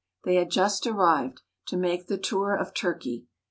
They had just arrived to make the tour of Turkey.